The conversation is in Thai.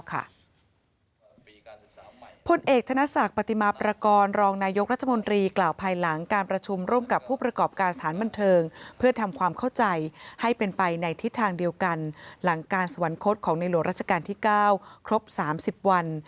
ผลเอกธนศักดิ์ปฏิมาประกอบรองนายกรัฐมนตรีกล่าวภายหลังการประชุมร่วมกับผู้ประกอบการสถานบันเทิงเพื่อทำความเข้าใจให้เป็นไปในทิศทางเดียวกันหลังการสวรรคตของในหลวงราชการที่๙ครบ๓๐วัน